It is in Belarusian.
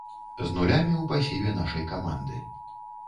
З нулямі ў пасіве нашай каманды.